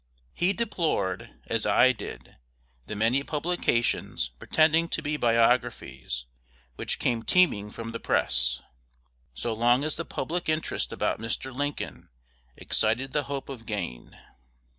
He deplored, as I did, the many publications pretending to be biographies which came teeming from the press, so long as the public interest about Mr. Lincoln excited the hope of gain.